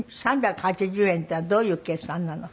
３８０円っていうのはどういう計算なの？